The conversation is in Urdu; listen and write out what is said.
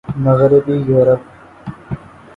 مغربی یورپ